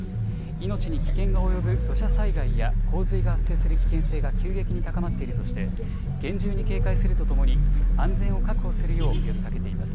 命に危険が及ぶ土砂災害や洪水が発生する危険性が急激に高まっているとして、厳重に警戒するとともに、安全を確保するよう呼びかけています。